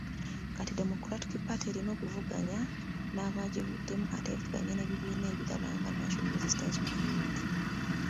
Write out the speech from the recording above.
Kati Democratic Party erina okuvuganya n'abagivuddemu ate evuganye n'ebibiina ebirala nga National Resistance Movement.